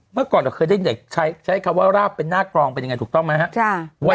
เมื่อก่อนเราเคยได้เด็กใช้คำว่าราบเป็นหน้ากรองเป็นยังไงถูกต้องไหมครับ